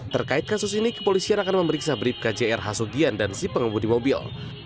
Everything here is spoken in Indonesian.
terkait kasus ini kepolisian akan memeriksa bribka jrh sugian dan si pengemudi mobil